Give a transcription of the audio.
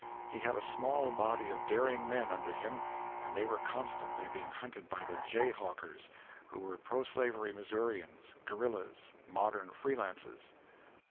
He had a small body of daring men under him, and they were constantly being hunted by the "jayhawkers," who were proslavery Missourians, guerillas, modern free lances.